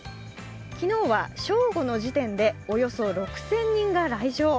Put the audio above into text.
昨日は正午の時点でおよそ６０００人が来場。